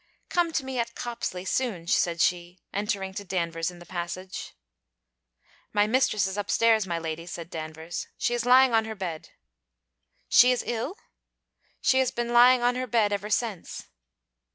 'Come to me at Copsley soon,' said she, entering to Danvers in the passage. 'My mistress is upstairs, my lady,' said Danvers. 'She is lying on her bed.' 'She is ill?' 'She has been lying on her bed ever since.'